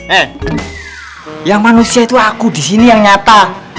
eh yang manusia itu aku disini yang nyata